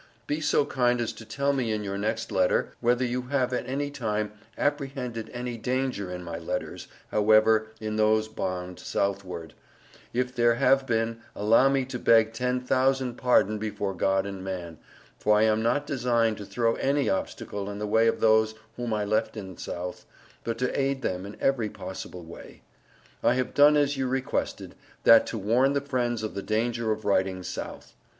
Be so kind as to tell me in your next letter whether you have at any time apprehended any danger in my letters however, in those bond southward; if there have been, allow me to beg ten thousand pardon before God and man, for I am not design to throw any obstacle in the way of those whom I left in South, but to aide them in every possible way. I have done as you Requested, that to warn the friends of the dager of writing South.